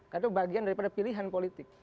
karena itu bagian dari pilihan politik